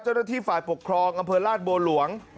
เจ้าหน้าที่ฝ่ายปกครองอำเภอราชบัวหลวง